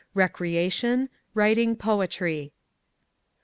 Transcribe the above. Recreation, writing poetry.